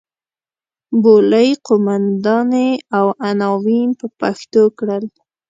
بولۍ قوماندې او عناوین په پښتو کړل.